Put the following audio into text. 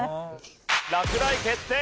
落第決定！